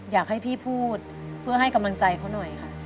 อยากให้พี่พูดเพื่อให้กำลังใจเขาหน่อยค่ะ